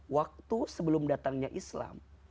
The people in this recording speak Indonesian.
waktu sebelum datangnya islam